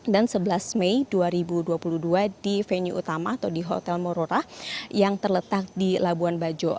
dan sebelas mei dua ribu dua puluh dua di venue utama atau di hotel mororah yang terletak di labuan bajo